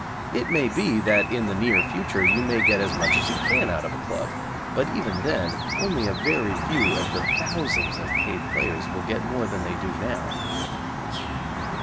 It may be that in the near future you may get as much as you can out of a club, but even then only a very few of the thousands of paid players will get more than they do now.